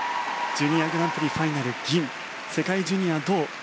ジュニアグランプリファイナル銀世界ジュニア、銅。